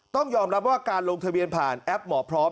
ต้องยอมรับว่าการลงทะเบียนผ่านแอปหมอพร้อม